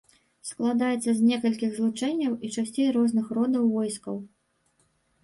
Складаецца з некалькіх злучэнняў і часцей розных родаў войскаў.